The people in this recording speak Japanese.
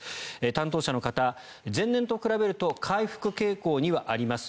担当者の方、前年と比べると回復傾向にはあります